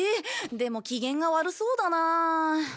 でも機嫌が悪そうだな。